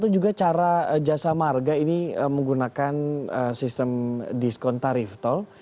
jadi apakah jasa marga ini menggunakan sistem diskon tarif tol